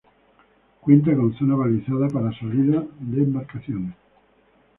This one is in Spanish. Cuenta con zona balizada para salido de embarcaciones.